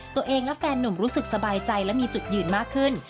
ตัวเองและแฟนหนุ่มรู้สึกสบายใจและมีจุดยืนมากขึ้น